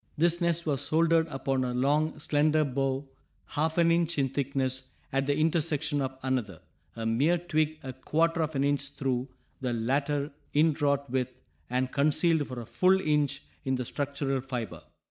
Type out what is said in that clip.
This nest was soldered upon a long slender bough half an inch in thickness at the intersection of another, a mere twig a quarter of an inch through, the latter inwrought with, and concealed for a full inch in the structural fiber.